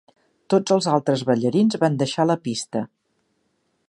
Tots els altres ballarins van deixar la pista.